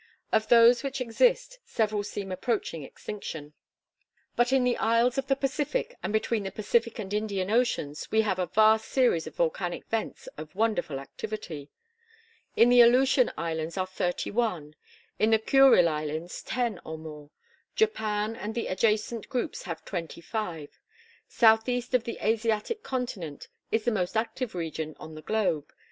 Of those which exist several seem approaching extinction. But in the isles of the Pacific and between the Pacific and Indian oceans we have a vast series of volcanic vents of wonderful activity. In the Aleutian Islands are thirty one; in the Kurile Isles, ten or more; Japan and the adjacent groups have twenty five. Southeast of the Asiatic continent is the most active region on the globe.